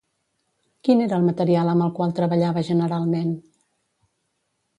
Quin era el material amb el qual treballava generalment?